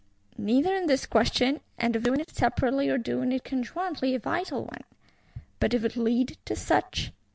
Neither is this question, of doing it separately or doing it conjointly, a vital one: but if it lead to such?